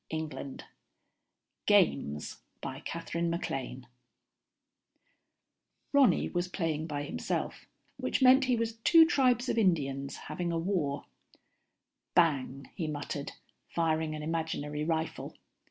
Illustrated by ASHMAN Ronny was playing by himself, which meant he was two tribes of Indians having a war. "Bang," he muttered, firing an imaginary rifle.